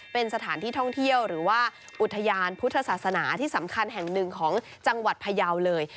เป็นสถานที่ท่องเที่ยวหรือว่าอุทยานพุทธศาสนาที่สำคัญแห่งหนึ่งของจังหวัดพยาวเลย